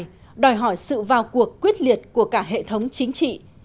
phòng chống tham nhũng là cuộc quyết liệt của cả hệ thống chính trị